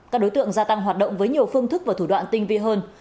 các đối tượng gia tăng hoạt động với nhiều phương thức và thủ đoạn tinh vi hơn